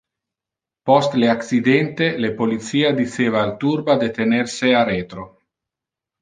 Post le accidente, le policia diceva al turba de tener se a retro.